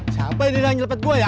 siapa ini yang ngelepet gua ya